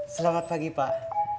selamat pagi pak